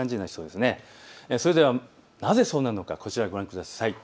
それでは、なぜそうなるのかこちらをご覧ください。